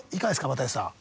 又吉さん。